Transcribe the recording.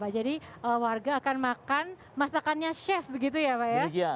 jadi warga akan makan masakannya chef begitu ya pak ya